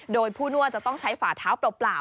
โดยผู้นวดจะต้องใช้ฝาเท้าเปล่า